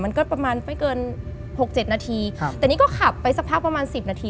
มันก็ประมาณไม่เกิน๖๗นาทีแต่นี่ก็ขับไปสักพักประมาณ๑๐นาที